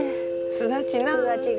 すだちが。